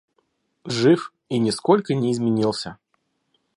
Жив и нисколько не изменился.